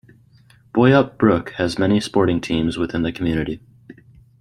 Boyup Brook has many sporting teams within the community.